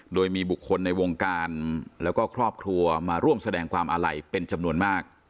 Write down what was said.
โดยมีบุคคลในวงการแล้วก็ครอบครัวมาร่วมแสดงความอาลัยเป็นจำนวนมาก